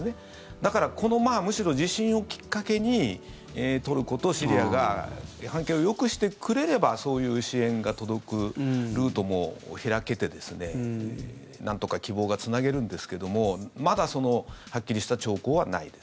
だから、むしろこの地震をきっかけにトルコとシリアが関係をよくしてくれればそういう支援が届くルートも開けてなんとか希望がつなげるんですけどもまだ、そのはっきりした兆候はないです。